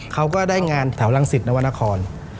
เขาก็ได้งานแถวรังสิตนวรรณคร